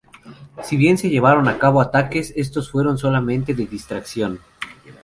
Si bien se llevaron a cabo ataques, estos fueron solamente de distracción.